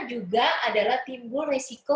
juga adalah timbul risiko